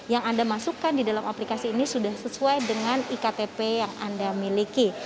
yang anda masukkan di dalam aplikasi ini sudah sesuai dengan iktp yang anda miliki